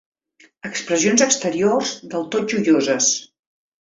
Expressions exteriors del tot joioses.